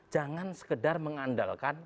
jangan sekedar mengandalkan